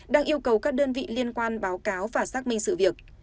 đang yêu cầu các đơn vị liên quan báo cáo và xác minh sự việc